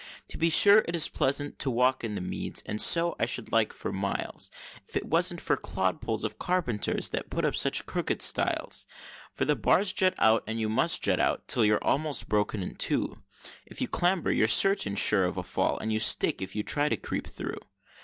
To be sure it is pleasant to walk in the meads, and so I should like for miles, If it wasn't for clodpoles of carpenters that put up such crooked stiles; For the bars jut out, and you must jut out, till you're almost broken in two, If you clamber you're certain sure of a fall, and you stick if you try to creep through.